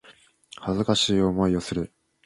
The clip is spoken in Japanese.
恥ずかしい思いをする